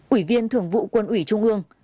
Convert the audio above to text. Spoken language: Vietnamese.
ủy viên thường vụ quân ủy trung ương